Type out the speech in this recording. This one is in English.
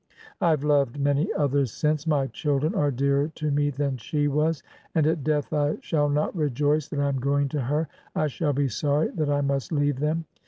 I've loved many others since : my children are dearer to me than she was ; and at death I shall not rejoice that I am going to her: I shall be sorry that I must leave them."